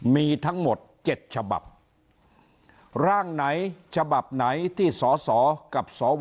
มีทั้งหมด๗ฉบับร่างไหนฉบับไหนที่สสกับสว